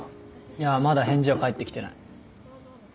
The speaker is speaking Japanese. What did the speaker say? いやまだ返事は返ってきてない。